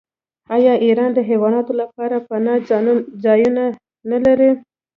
آیا ایران د حیواناتو لپاره پناه ځایونه نلري؟